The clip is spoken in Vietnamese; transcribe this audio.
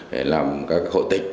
để làm các hộ tịch